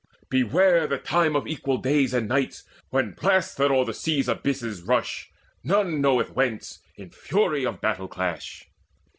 Beware the time of equal days and nights, When blasts that o'er the sea's abysses rush, None knoweth whence in fury of battle clash.